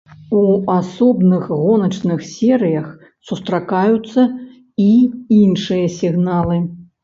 У асобных гоначных серыях сустракаюцца і іншыя сігналы.